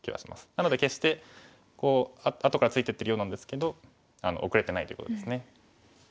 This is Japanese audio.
なので決して後からついてってるようなんですけど後れてないということですね。